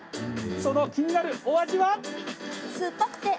その気になる、お味は？